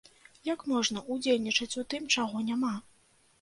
Як можна ўдзельнічаць у тым, чаго няма?